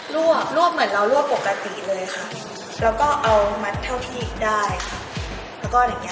รวบรวบเหมือนเรารวบปกติเลยค่ะแล้วก็เอามัดเท่าที่ได้แล้วก็แบบนี้ค่ะ